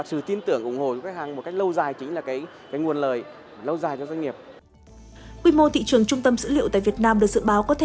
xu hướng trung nhận này đó là xây dựng những trung tâm dữ liệu đủ lớn xanh bền vững đạt trần quốc tế